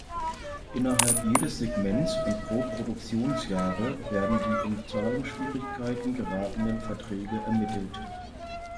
Innerhalb jedes Segments und pro Produktionsjahre werden die in Zahlungsschwierigkeiten geratenen Verträge ermittelt.